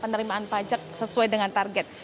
penerimaan pajak sesuai dengan target